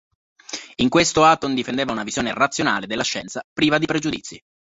In questo Hutton difendeva una visione razionale della scienza, priva di pregiudizi.